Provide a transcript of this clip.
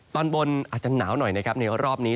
ตอนบนอาจจะหนาวหน่อยในรอบนี้